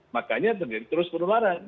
makanya terjadi terus penularan